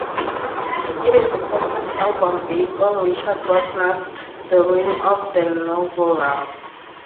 It is a concept album based on Richard Wagner's "The Ring of the Nibelung".